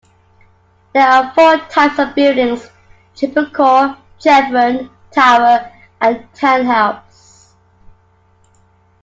There are four types of buildings; Triple Core, Chevron, Tower and Town House.